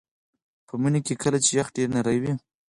په مني کې کله چې یخ ډیر نری وي